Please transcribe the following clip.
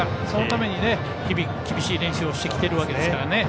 そのために日々、厳しい練習をしてきているわけですから。